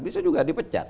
bisa juga dipecat